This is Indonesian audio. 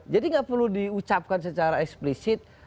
jadi nggak perlu diucapkan secara eksplisit